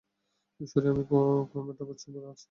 ঈশ্বরী, আমি কোয়েম্বাটুরে আছি।